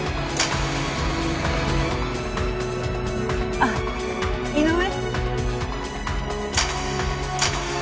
あっ井上？